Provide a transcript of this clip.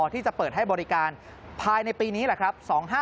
ที่จะเปิดให้บริการภายในปีนี้แหละครับ